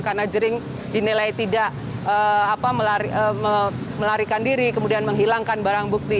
karena jering dinilai tidak melarikan diri kemudian menghilangkan barang bukti